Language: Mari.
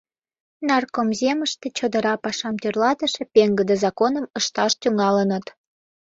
Наркомземыште чодыра пашам тӧрлатыше пеҥгыде законым ышташ тӱҥалыныт.